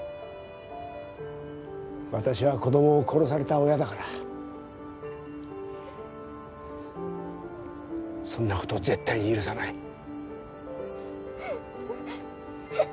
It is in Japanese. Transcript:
私は子供を殺された親だからそんな事絶対に許さない。